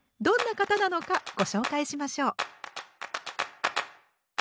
どんな方なのかご紹介しましょう。